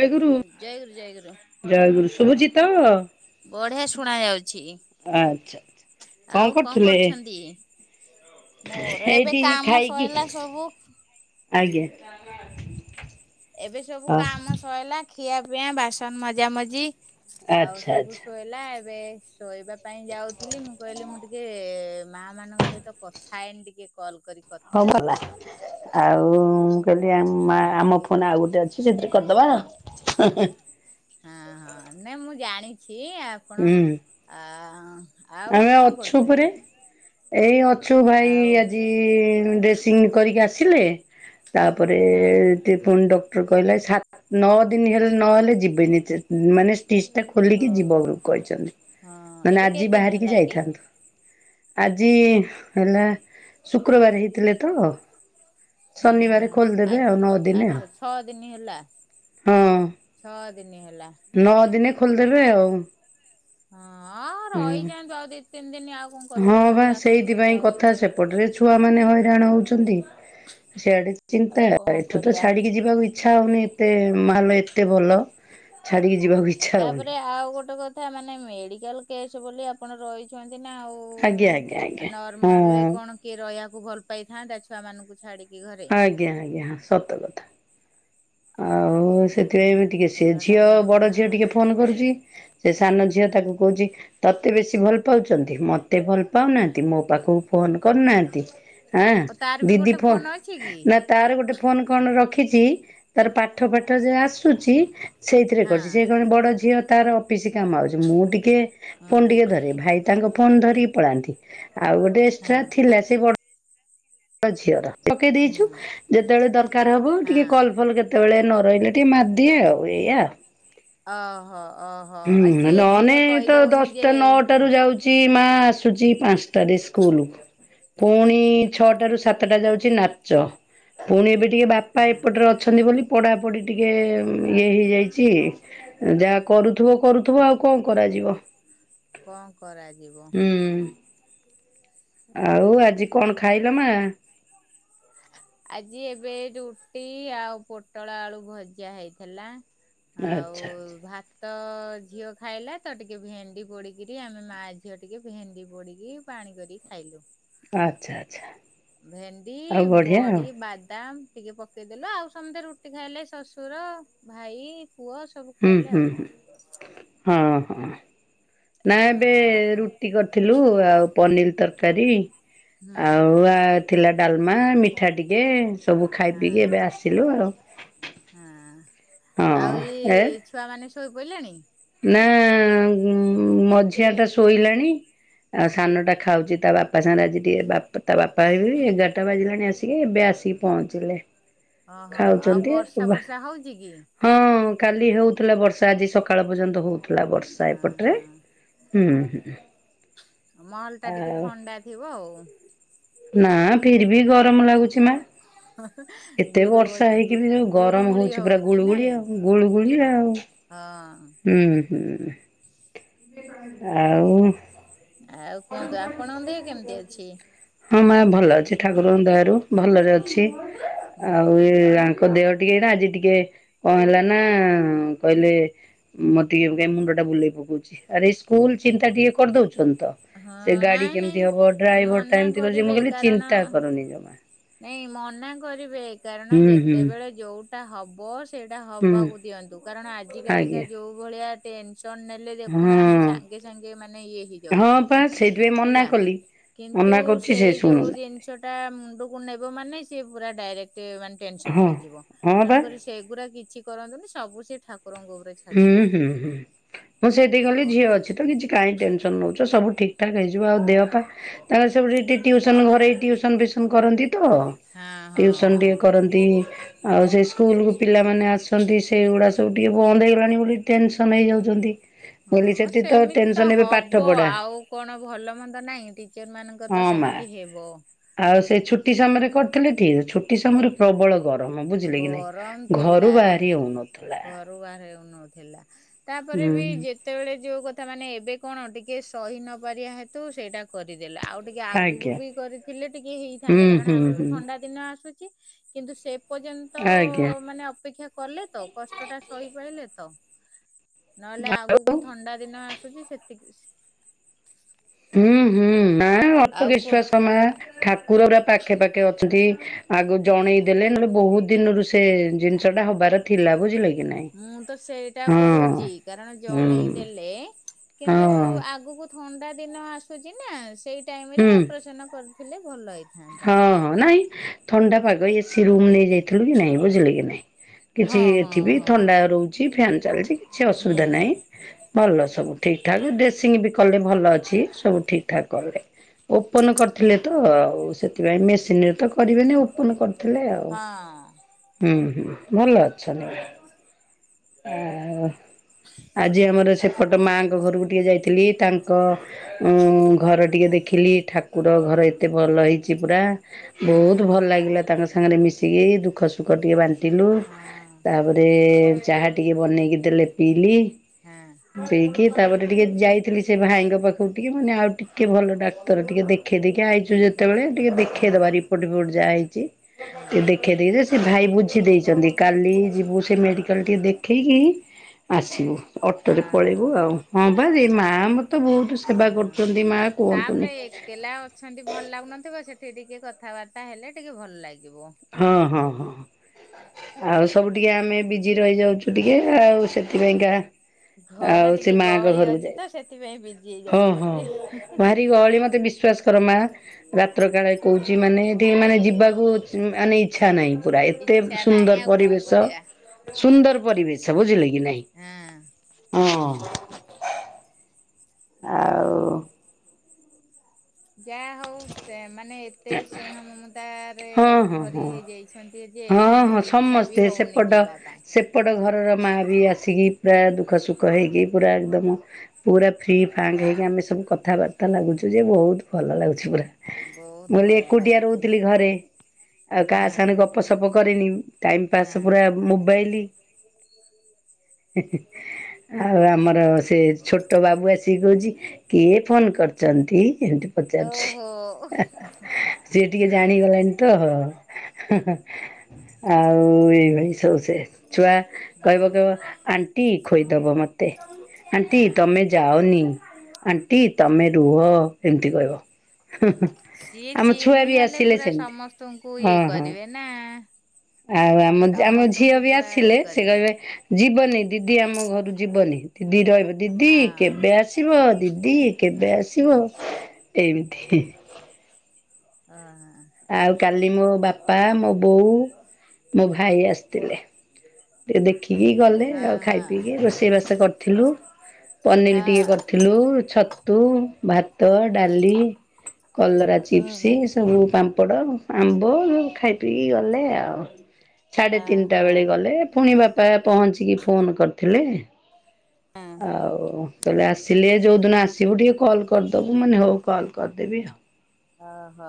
ଜୟଗୁରୁ ଜୟଗୁରୁ ଜୟଗୁରୁ। ଜୟଗୁରୁ ଶୁଭୁଚିତ? ବଢିଆ ଶୁଣା ଯାଉଛି ଆଚ୍ଛା। ଆଉ କଣ କରୁଛନ୍ତି? ମୋର ଏବେ ଏଇଠି କାମ ଖାଇକି ସଇଲା ସବୁ। ଆଜ୍ଞା। ଏବେ ସବୁ ହଁ କାମ ସଇଲା ଖିଆ ପିଆ ବାସନ ମଜା ମଜି ଆଉ ଆଚ୍ଛା ସବୁ ଆଚ୍ଛା ଶୋ ହେଲା ଏବେ ଶୋଇବା ପାଇଁ ଯାଉଥିଲି ମୁଁ କହିଲି ମୁଁ ଟିକେ ମା ମାନଙ୍କ ସହିତ କଥା ହେଇନି ଟିକେ କଲ୍ କରି କଥା ହଉ ଭଲ। ହେଇଯିବା। ଆଉ କହିଲି ଆ ହଁ ମା ଆମ ଫୋନ୍ ଆଉ ଗୋଟେ ଅଛି। ସେ ସେଥିରେ କରିଦବା ଆଉ ହଁ ହଁ ନାଇଁ ମୁଁ ଜାଣିଛି ଆପଣ ହୁଁ ଆ ଆଉ ଆମେ କଣ ଅଛୁ କରୁଛନ୍ତି? ପରା ଏଇ ଅଛୁ ଭାଇ ଆଉ ଆ ଏ ଡ୍ରେସିଂ କରିକି ଆସିଲେ ତାପରେ ହଁ ପୁଣି ଡକ୍ଟର କହିଲା ସାତ ନଅ ଦିନ ହେଲେ ନହେଲେ ଯିବେନି ମାନେ ଷ୍ଟିଚଟା ଖୋଲିକି ଯିବ ଓହୋ ବୋଲି କହିଛନ୍ତି ହଁ ମାନେ ଏବେ ଆ କେତେ ଦିନ ହେଲା କି? ଆଜି ହେଲା ଶୁକ୍ରବାର ହେଇଥିଲେ ତ। ଶନିବାର ହଁ ଆ ଖୋଲିଦେବେ ଆଉ ନ ଦିନେ ଆଉ ଆଠ ଛଅ ଦିନ ହେଲା ହଁ। ଛଅ ଦିନି ହେଲା। ନଅ ଦିନେ ଖୋଲିଦେବେ ଆଉ। ହଁ ହୁଁ। ରହିଯାଆନ୍ତୁ ଆଉ ଦି ତିନି ଦିନ ଆଉ କଣ ହଁ କଷ୍ଟ କରି ଆସୁଥିବେ ଯାଉଥିବେ ଏତେ ଦୂର। ମାନେ ହଇରାଣ ହଉଛନ୍ତି ସିଆଡେ ଆଉ ଚିନ୍ତା କଣ ଏଠୁ ତ କରିବା। ଛାଡ଼ିକି ଯି ବାକୁ ଇଚ୍ଛା ହଉନି ଏତେ ମାନେ ଏତେ ଭଲ ଛାଡ଼ିକି ଯିବାକୁ ଇ ତାପରେ ଆଉ ଗୋଟେ କଥା ମାନେ ମେଡ଼ିକାଲ କେସ୍ ବୋଲି ଆପଣ ରହିଛନ୍ତି ନା ଆଉ। ଆଜ୍ଞା ଆଜ୍ଞା ଉ ଆଜ୍ଞା ନର୍ମାଲ ରେ ହଁ। କଣ କିଏ ରହିବାକୁ ଭଲ ପାଇଥାନ୍ତା ଛୁଆ ମାନଙ୍କୁ ଛାଡ଼ିକି ଘରେ। ଆଜ୍ଞା ଆଜ୍ଞା ହଁ ସତ କଥା। ଆଉ ସେଥିପାଇଁ ଏବେ ଟିକେ ସେ ଦେହଟା ଝିଅ ଭଲ ବଡ଼ ନାହିଁ ଝିଅ ଟିକେ ବୋଲି ଫୋନ କରୁଛି। ସେ ସାନ ଝିଅ ତାକୁ କହୁଛି ତତେ ବେଶୀ ଭଲ ପାଉଛନ୍ତି ମତେ ଭଲ ହଁ ପାଉନାହାନ୍ତି ମୋ ପାଖକୁ ଫୋନ କରିୁନାହାନ୍ତି ଓ ତାର ଆଁ ବି ଦିଦି ଗୋଟେ ଫୋ ଫୋନ ଅଛି କି? ନା ତାର ଗୋଟେ ଫୋନ କଣ ରଖିଛି ତାର ପାଠ ପାଠ ଯା ଆସୁଛି ସେଇଥିରେ ହଁ କରୁଛି ସେ କଣ ବଡ଼ ଝିଅ ତାର ଅଫିସ କାମ ଆଉଛି ମୁଁ ଟିକେ ଫୋନ ହଁ ଟିକେ ଧରେ ଭାଇ ତାଙ୍କ ଫୋନ ଧରିକି ପଳାନ୍ତି ଆଉ ଗୋଟେ ଏସଟ୍ରା ହଁ ଥିଲା ସେ ବ ଡ ଝିଅର ପକେଇ ଦେଇଛୁ ହଁ ଯେତେବେଳେ ଦରକାର ହବ ଟିକେ ହଁ। କଲ ଫଲ କେ ତେବେଳେ ନରଇଲି ଟିକିଏ ମାରଦିଏ ଆଉ ଏଇଆ। ଓହୋ ଅ। ହୁଁ ନହେନେ ତ ଦଶଟା ନଅଟାରୁୁ ଯାଉ ଚି ମା ଆସୁଛି ପାଞ୍ଚଟାରେ ସ୍କୁଲ। ପୁଣି ଛଅଟା ରୁ ସାତଟା ଯାଉଛି ନାଚ ପୁଣି ଏବେ ଟିକେ ବାପା ହଁ ଏପଟର ଅ ଅଛନ୍ତି ବୋଲି ପଢାପଢ଼ି ଟିକେ ଇଏ ହେଇଯାଇଛି ଯାହା କରୁ ଥିବ କରୁଥିବ ଆଉ କଣ କରାଯିବ କଣ କରାଯିବ ହୁଁ। ଆଉ ଆଜି କଣ ଖାଇଲ ମା? ଆଜି ଏବେ ରୁଟି ଆଉ ପୋଟଳ ଆଳୁ ଭଜା ହେଇଥିଲା। ଆଉ ଆଚ୍ଛା ଆଚ୍ଛା ଭା ତ ଝିଅ ଖାଇଲା ତ ଟିକେ ଭେଣ୍ଡି ପୋଡ଼ିକିରି ଆମେ ମା ଝିଅ ଟିକେ ଭେଣ୍ଡି ପୋଡ଼ିକି ପାଣି କରିକି ଖାଇଲୁ। ଆଚ୍ଛା ଆଚ୍ଛା। ଭେଣ୍ଡି, ଆଉ ବଢ଼ିଆ ଆଉ ବଢ଼ି, ବାଦାମ। ଟିକେ ପକେଇଦେଲା ଆଉ ସମସ୍ତେ ରୁଟି ଖାଇଲେ ଶଶୁର, ଭାଇ, ପୁଅ ସ ହୁଁ ହୁଁ ହୁଁ ହଁ ହଁ ନା ଏବେ ଆଉ କଣ ରୁଟି କରି ଥିଲୁ ଆଉ ପନିର ତରକାରୀ ହୁଁ ଆଉ ଆ ଥିଲା ଡାଲମା ମିଠା ଟିକେ ସବୁ ଖାଇ ପିଇକି ଏବେ ଆସିଲୁ ଆଉ। ଆଁ ହଁ ଆଉ ଇଏ ଏ ଛୁଆ ମାନେ ଶୋଇ ପଇଲେଣି? ନା ମଝିଆ ଟା ଶୋଇଲାଣି। ଆଉ ସାନଟା ଖାଉଛି ତା ବାପା ସାଙ୍ଗରେ ଆଜି ଟିକେ ବାପା ତା ବାପା ଆଇଲେଣି ଏଗାରଟା ବାଜିଲାଣି ଆସିକି ଏବେ ଆସିକି ପହଞ୍ଚିଲେ। ଓହୋ ଆଉ ବର୍ଷା ଫର୍ଷା ହଉଚି କି? ହୁଁ କାଲି ହଉଥିଲା ବର୍ଷା ଆଜି ସକାଳ ପର୍ଯ୍ୟନ୍ତ ହଉଥିଲା ବର୍ଷା ଏପଟରେ। ହଁ ହୁଁ ହୁଁ। ମହଲଟା ଟିକେ ଆଉ ଥଣ୍ଡା ଥିବ ଆଉ। ନା ଫିରବି ଗରମ ଲାଗୁଛି ମା। ଏତେ ବର୍ଷା ଗୁରୁମୂଳି ଗୁ ହେଇକି ବି ଯୋଉ ଗରମ ଗୁରୁମୂଳି ହଉଛି ପୁରା ଗୁଳୁଗୁଳି ଆଉ ଗୁଳୁଗୁଳି ଆଉ। ହ। ହୁଁ ହୁଁ ଆଉ ଆଉ କୁହନ୍ତୁ ଆପଣଙ୍କ ଦେହ କେମିତି ଅଛି? ହଁ ମା ଭଲ ଅଛି ଠାକୁରଙ୍କ ଦୟାରୁ ଭଲରେ ଅଛି ହୁଁ ଆଉ ଇଏ ଙ୍କ ଦେହ ଟିକେ ଆଜି ଟିକେ କଣ ହେଲାନା କହିଲେ ମତେ ଟିକେ ମୁଣ୍ଡ ଟା ବୁଲେଇ ପକଉଛି ଆରେଇ ସ୍କୁଲ ଚିନ୍ତା ଟିକେ କରିଦଉଛନ୍ତି ତ ହଁ ସେ ଗାଡି ନାଇଁ ନାଇଁ କେମିତି ହବ ଡ୍ରାଇଭର ଟା ମନା ଏମତି କରୁଛି କରିବେ ମୁଁ କହଲି କାରଣ ଚିନ୍ତା କରନି ଜମା। ନାଇଁ ମନା କରିବେ କାରଣ ହୁଁ ହୁଁ ଯେତେବେଳେ ଯୋଉଟା ହବ ସେଇଟା ହୁଁ ହବାକୁ ଦିଅନ୍ତୁ କାରଣ ଆଜି କାଲିକା ଆଜ୍ଞା ଯୋଉ ଭଳିଆ ଟେନ୍ସନ ନେଲେ ଦେଖୁନାହାନ୍ତି ହଁ। ସାଙ୍ଗେ ସାଙ୍ଗେ ମାନେ ଇଏ ହେଇ ହଁ ପା ଯାଉଛନ୍ତି ସେଇଥିପାଇଁ ମନା ହେଲା। କଲି କିନ୍ତୁ ମନା କରୁଛି ସେ ସେଇ ଯୋଉ ଶୁଣୁନି ଜିନିଷ ମୁଣ୍ଡକୁ ନେବ ମାନେ ସେ ପୁରା ଡାଇରେଟ ମାନେ ଟେନସନ ହଁ ହେଇଯିବ ହଁ ବା ତେଣୁକରି ସେଗୁଡ଼ା କିଛି କରନ୍ତୁନି ସବୁ ସେ ଠାକୁରଙ୍କ ଉପରେ। ଛାଡି ହୁଁ ଦିଅ। ହୁଁ ହୁଁ ମୁଁ ସେଇଠକି ଆଉ ଗଲି କଣ ଝିଅ କହି ଅଛି ତ କିଛି କାହିଁ ଟେନସନ୍ ନେଉଛ ସବୁ ଠିକ୍ ଠାକ୍ ହେଇଯିବ ଆଉ ଦେହ ପା ତାଙ୍କର ସେବୁଠି ଟିକେ ଉସନ ଘରେ ଟ୍ୟଉସନ ଫିସନ କରନ୍ତି ତ? ହଁ ହଁ ଟିଉସନ ଟିକେ ହଁ। କରନ୍ତି। ଆଉ ସେ ସ୍କୁଲ କୁ ପିଲାମାନେ ଆସନ୍ତି ସେଗୁଡା ସବୁ ଟିକେ ବନ୍ଦ ହେଇ ପାଣି ଭ ଟେନସନ ହେଇଯାଉଛନ୍ତି। ମୁଁ କହିଲି ହଁ ସେଠି ସେମିତି ତ ଟେନସନ ଏବେ ପାଠ ହବ ପଢା ଆଉ କଣ ଭଲ ମନ୍ଦ ନାହିଁ ଟିଚର ମାନଙ୍କ ହଁ ତ ମା। ସେମ୍ ତି ହେବ। ଆଉ ସେ ଛୁଟି ସମୟରେ କରିଥିଲେ ଟିକେଛୁ ଏ ସମୟରେ ପ୍ରବଳ ଗରମ ବୁଝିଲେ କି ଗରମ ନାଇଁ ଘରୁ ବାହାରି ହଉନଥିଲା। ବାହାର ନଥିଲା ତାପରେ ହୁଁ ବି ଯେ ସେତେବେଳେ ଯୋଉ କଥା ମାନେ ଏବେ କଣ ଟିକେ ସହି ନ ପାରିବା ହେତୁ ସେଇଟା କରିଦେଲେ ଆଉ ଟିକେ ଆଗକୁ ଆଜ୍ଞା। ବି କରିଥିଲେ ଟିକେ ହେଇଥାନ୍ତା ହୁଁ କାରଣ ହୁଁ ଆଗକୁ ହୁଁ ଥଣ୍ଡା ଦିନ ଆସୁଛି କିନ୍ତୁ ସେପ୍ ପର୍ଯ୍ୟନ୍ତ ଆଜ୍ଞା ମାନେ ଅପେକ୍ଷା କଲେ ତ କଷ୍ଟ ଟା ସହିପାଇଲେ ତ? ନହେଲେ ଆଉ ଆଗକୁ ଥଣ୍ଡା ଦିନ ଆସୁଛି ସେତିକି। ହୁଁ ହୁଁ ମା ଅଳ୍ପ ଆଉ କୁ ବିଶ୍ଵାସ ମା ଠାକୁର ପୁରା ପାଖେ ପାଖେ ଅଛନ୍ତି। ଆଗ ଜଣେଇ ଦେଲେ ନହେଲେ ବହୁତ ଦିନରୁ ସେ ଜିନିଷ ଟା ହବାର ଥିଲା ବୁଝିଲ କି? ନାଇଁ। ମୁଁ ତ ସେଇଟା ହଁ କହୁଛି କାରଣ ଜଣେଇ ହୁଁ ଦେଲେ ହଁ କିନ୍ତୁ ଆଗକୁ ଥଣ୍ଡା ଦିନ ଆସୁଛି ନା ସେଇ ଟାଇମ ରେ ହୁଁ। ଅପରେସନ କରିଥିଲେ ଭଲ ହେଇ ହଁ ହଁ ନାଇଁ ଥଣ୍ଡା ପାଗ ଏସି ରୁମ ନେଇ ଯାଇଥିଲୁ କି ନାଇଁ ବୁଝିଲୁ କି ନାଇଁ?? କିଛି ହଁ ହଁ ଏଠି ବିି ହଁ ଥଣ୍ଡା ରହୁଛି ଫ୍ୟାନ ଚାଲିଛି କିଛି ହୁଁ ଅସୁବିଧା ନାହିଁ। ଭଲ ସବୁ ଠିକ ଠାକ୍ ଡ୍ରେସିଂ ବି କଲେ ଭଲ ଅଛି ସବୁ ଠିକ ଠାକ୍ କଲେ। ଓପନ କରିଥିଲେ ତ ଆଉ ସେଥିପାଇଁ ମେସିନରେ ତ କରିବେନି ଓପନ କରିଥିଲେ ଆଉ ହଁ। ହୁଁ ହୁଁ ଭଲ ଅଛନ୍,। ଆ ଆଜି ଆମର ସେପଟ ମାଙ୍କ ଘରକୁ ଟିକେ ଯାଇଥିଲି ତାଙ୍କ ଉ ଘର ଟିକେ ଦେଖିଲି ଠାକୁର ଘର ଏତେ ଭଲ ହେଇଛି ପୁରା। ହଁ ବହୁତ ହଁ ଭଲ ଲାଗିଲା ତାଙ୍କ ସାଙ୍ଗରେ ମିଶିକି ଦୁଃଖ ସୁଖ ଟିକେ ବାଞ୍ଚ ଲୁ ତାପରେ ଚାହା ଟିକେ ବନେଇକି ଦେଲେ ପିଇଲି। ହଁ। ପିଇକି ତାପରେ ଟିକେ ଯାଇଥିଲି ସେ ଭାଇଙ୍କ ପାଖକୁ ଟିକେ ମାନେ ଆଉ ଟିକେ ଭଲ ଡାକ୍ତର ଟିକେ ଦେଖ ଦେଖେଇଦକି ଆଇଛୁ ଦେଖିବା ଯେତେବେଳେ ଟିକେ ହଁ ଦେଖେଇଦବା ହଁ ରିପୋର୍ଟ ବିିପୋର୍ଟ ଯାହା ହେଇଛି ହଁ ଟିକ ଦେଖେଇ ଦେଇକି ସେ ଭାଇ ବୁଝି ଦେଇଛନ୍ତି କାଲି ଯିବୁ ସେ ମେଡ଼ିକାଲ ଟିକେ ଦେଖାଇକି ଆସିବୁ। ଅଟୋରେ ହଁ ହଁ ପଳେଇବୁ ଆଉ ହଁ ପା ସେ ମା ମତ୍ ତ ବହୁତ ସେବା ହଁ କରୁଛନ୍ତି ମା ତାପରେ କୁହନ୍ତୁନି। ଏକେଲା ଅଛନ୍ତି ଭଲ ଲାଗୁନଥିବ ସେଠି ଟିକେ କଥାବାର୍ତ୍ତା ହେଲେ ଟିକେ ଭଲ ଲାଗିବ। ହଁ ହଁ ହଁ। ଆଉ ସବୁ ଟିକେ ଆମେ ବିଜି ରହିଯାଉଛୁ ଟିକେ ଆଉ ସେଥିପାଇଁକା ଘରେ ଆଉ ସେ ଟିକେ ମାଆଙ୍କ ଗହଳି ଘରକୁ ଅଛି ଯାଇ ତ ସେଥିପାଇଁ ବିଜି ହେଇ ହଁ ହଁ ଯାଉଛନ୍ତି। ଭାରି ଗହଳି ମତେ ବିଶ୍ଵାସ କର ମା ରାତ୍ର କାଳେ କହୁଛି ମାନେ ଏଠି ମାନେ ଯିବାକୁ ମାନେ ଇଛା ନାହିଁ। ପୁରା ଏତେ ଇଚ୍ଛା ନାହିଁ ସୁନ୍ଦର ଆଉ କଣ ପରିବେଶ। କରିବା ସୁନ୍ଦର ପରିବେଶ ବୁଝିଲେ କି ନାଇଁ ହଁ। ହଁ। ଆଉ। ଯା। ହଉ ସେ ମାନେ ଏତେ ସ୍ନେହ ମମତାରେ ହଁ ହଁ ଭରି ହଁ ହେଇଯାଇଛନ୍ତି ଯେ ହଁ ମାନେ ଇଚ୍ଛା ବି ହଉନି ଯିବା ପାଇଁ। ଏପଟ ଘରର ମାଆ ବି ଆସିକି ପୁରା ଦୁଃଖ ସୁଖ ହେଇକି ପୁରା ଏକଦମ ପୁରା ଫ୍ରି ଫାଙ୍କ ହେଇକି ଆମେ ସବୁ କଥାବାର୍ତ୍ତା ଲାଗୁଛୁ ଯେ ବହୁତ ଭଲ ଲାଗୁଛି ପୁରା। ମୁଁ ବହୁତ କହିଲି ବଢିଆ ଏକୁଟିଆ ଲାଗୁଛି ରହୁଥିଲି ଘରେ। ଆଉ କାହା ହଁ ସାଙ୍ଗରେ ଗପ ସପ କରିନି ଟାଇମ୍ ପାସ୍ ହଁ। ପୁରା ମୋବାଇଲ [inaudible] ହେଁ ହେଁ ଆଉ ଆମର ସେ ଛୋଟ ବାବୁ ଆସି କହୁଛି କିଏ ଫୋନ କରିଛନ୍ତି ଏମତି। ସିଏ ଟିକେ ଓହୋ। ଜାଣିଗଲାଣି ତ ହଁ ହଁ ଆଉ ଏଇଭଳି ସବୁ ସେ। ଛୁଆ ହୁଁ କହିବ କହିବ ଆଣ୍ଟି ଖୋଇଦବ ମତେ ଆଣ୍ଟି ହଁ। ତମେ ଯାଅନି ଆଣ୍ଟି ତମେ ରୁହ ଏମିତି କହିବ। ହୁଁ ହୁଁ। ସିଏ ଚିହ୍ନି ଗଲେ ପୁରା ସମସ୍ତଙ୍କୁ ହଁ ଇଏ ହଁ। କରିବେ ନା। ଆଉ ଆମ ଆମ ଝିଅ ସମସ୍ତଙ୍କୁ ବି ପୁରା ଇଏ ଆସିଲେ ସେ କରିବେ କହିବେ ଯିବନି ଦିଦି ଆମ ଘରୁ ଯିବନି ଦିଦି ରହିବ ଦିଦି ହଁ କେବେ ଆସ ଆସିବ ଦିଦି କେବେ ଆସିବ ଏମିତି। ଓହୋ। ଆଉ କାଲି ମୋ ବାପା ମୋ ବୋଉ ମୋ ଭାଇ ଆସିଥିଲେ। ଟିକେ ଦେଖିକି ଗଲେ ହଁ ଆଉ ଖାଇ ହଁ। ପିଇକି ରୋଷେଇବାସ କରିଥିଲୁ। ପନିର ଟିକେ ହଁ କରିଥିଲୁ ଛତୁ ଭାତ ଡାଲି କଲରା ଚିପ୍ସ ହୁଁ ଏ ସବୁ ପା ପାମ୍ପଡ ଆମ୍ବ ଖାଇ ପିଇକି ଗଲେ ଆଉ ସାଢେ ଅ ତିନିଟା ହଁ ବେଳେ ଗଲେ। ପୁଣି ବାପା ପହଞ୍ଚିକି ଫୋନ୍ କରିଥିଲେ। ହଁ ଆଉ ତାହାଲେ ଆସିଲେ ଯଉ ଦିନ ଆସିବୁ ଟିକେ କଲ୍ କରିଦବୁ ମୁଁ କହିନି ହୋଉ କଲ୍ କରିଦେବି ଆଉ। ଅହୋ।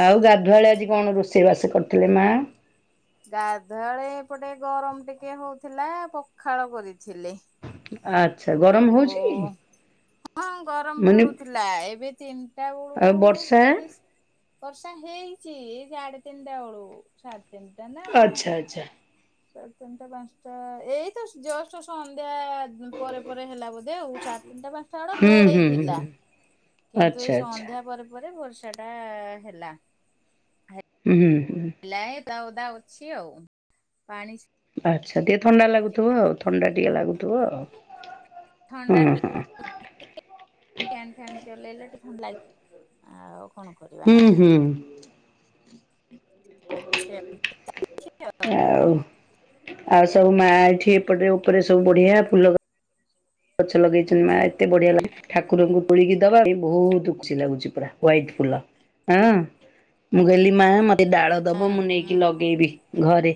ଆଉ ଗାଧୁଆଳେ ଆଜି କଣ ରୋଷେଇ ବାସ କରିଥିଲେ ମା ଗାଧୁଆଳେ ଏପଟେ ଗରମ ଟିକେ ହଉଥିଲା ପଖାଳ କରିଥିଲି। [inaudible] ସବୁ ହଉଛି କି? ହଁ ଗରମ ମାନେ ପଡୁଥିଲା ଏବେ ତିନିଟା ବେଳୁ ଆଉ ବର୍ଷା? ଟିକେ ବର୍ଷା ହେଇଛି ଏଇ ସାଢେ ତିନିଟା ବେଳୁ ସାଢେ ତିନିଟା ନା ପା ଆଚ୍ଛା ଆଚ୍ଛା। ସାଢ଼େ ତିନିଟା ପାଞ୍ଚଟା ଏଇତ ଜଷ୍ଟ ସନ୍ଧ୍ୟା ପରେ ପରେ ହେଲା ବୋଧେ ଆଉ ସାଡେ ତିନିଟା ପାଞ୍ଚଟା ବେଳେ ହୁଁ ହୁଁ ଘୋଡେଇ ଥିଲା। ହୁଁ କିନ୍ତୁ ଏଇ ଆଚ୍ଛା ଆଚ୍ଛା ସନ୍ଧ୍ୟା ପରେ ପରେ ବର୍ଷାଟା ହେଲା। ଉ ହୁଁ। ହେଲା ଏ ଓଦା ଓଦା ଅଛି ଆଉ ପାଣି ଆଚ୍ଛା ଟିକେ ଥଣ୍ଡା ଶୁଖି ଲାଗୁଥିବ ଆଉ ଥଣ୍ଡା ଟିକେ ଲାଗୁଥିବ ଆଉ। ଥଣ୍ଡା ହଁ ଲ ହଁ। ଫ୍ୟାନ୍ ଫ୍ୟାନ୍ ଚଲେଇଲେ ଟିକେ ଥଣ୍ଡା ଲାଗିବ ଆଉ। କଣ କରିବା ହୁଁ ହୁଁ। ସେମିତି ଆଉ ଆଉ ସବୁ ମା ଏଠି ଏପଟେ ଉପରେ ସବୁ ବଢିଆ ଫୁଲ ଗଛ ଲଗେଇଛନ୍ତି ମା ଏତେ ବଢିଆ ଲାଗିଛି। ଠାକୁରଙ୍କୁ ତୋଳିକି ଦବା ବି ବହୁତ ଖୁସି ଲାଗୁଛି ପୁରା ୱାଇଟ ଫୁଲଁ ଆଁ ମୁଁ କହିଲି ମା ମତେ ଡାଳ ହଁ ଦବ ମୁଁ ହୁଁ ନେଇକି ଲଗେଇବି ଘରେ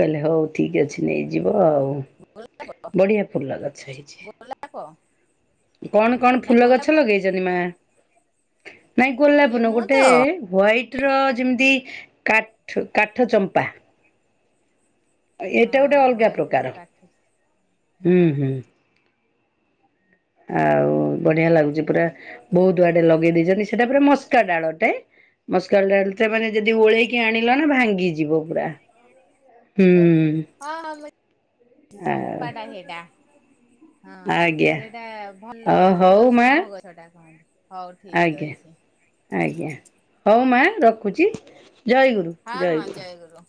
କହିଲେ ହଉ ଠିକ ଅଛି ନେଇଯିବ ଆଉ। ବଢିଆ ଫୁଲ ଗଛ ହେଇଛି। ଗୋ ଲାପ କଣ କଣ ଫୁଲ ଗଛ ଲଗେଇଛନ୍ତି? ମା ନାଇଁ କିଏ ଗୋଲାପ ନୁହେଁ ମୁଁ ତ ଗୋଟେ ହ୍ୱଇଟ୍ ର ଯେମିତି କାଠ୍ କାଠ ଚମ୍ପା। ଏ ଏଟା ହଁ ଗୋଟେ ଅଲଗା ୱାଇଡ ର ପ୍ରକାର। କାଠ ହଁ ହୁଁ ହୁଁ ଆଉ ବଢିଆ ଲାଗୁଛି ପୁରା ବହୁତ ଓହୋ ଆଡେ ଲଗେଇ ଦେଇଛନ୍ତି ସେଟା ପୁରା ମସ୍କା ଡାଳଟେ ମସ୍କା ଡାଳଟେ ମାନେ ଯଦି ଓଳେଇକି ଆଣିଲ ନା ଭାଙ୍ଗିଯିବ ପୁରା। ହୁଁ ହଁ ହଁ [unintelligible] ଚମ୍ପାଟା ସେଟା ହଁ ଆଜ୍ଞା ସେଟା ଅ ଭଲ ହଉ ଭଲ ମା ଶୁଭ ଗଛଟା କହନ୍ତ ଆଜ୍ଞା ଆଜ୍ଞା ହଉ ମା ରଖୁଛି। ଜୟଗୁର ହଁ ହଁ ଜୟ ଗୁରୁ।